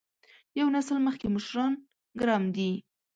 یو نسل مخکې مشران ګرم دي.